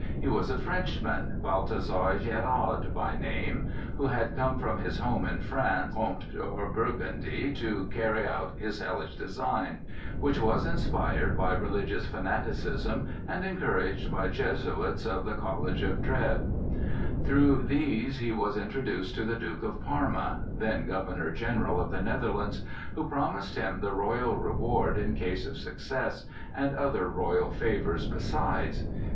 He was a Frenchman, Balthasar Gérard by name, who had come from his home in Franche Comté or Burgundy to carry out his hellish design, which was inspired by religious fanaticism and encouraged by Jesuits of the College of Trèves. Through these he was introduced to the Duke of Parma, then Governor General of the Netherlands, who promised him the royal reward in case of success, and other royal favors besides.